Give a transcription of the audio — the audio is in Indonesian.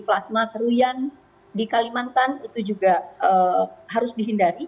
plasma seruyan di kalimantan itu juga harus dihindari